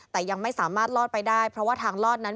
แต่ยังไม่สามารถลอดไปได้เพราะว่าทางลอดนั้น